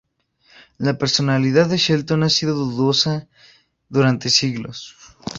La personalidad de Shelton ha sido dudosa durante siglos.